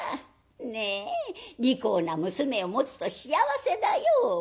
ねえ利口な娘を持つと幸せだよ。